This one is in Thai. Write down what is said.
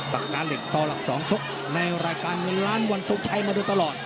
ปากกาเหล็กต่อหลัก๒ชกในรายการเงินล้านวันทรงชัยมาโดยตลอด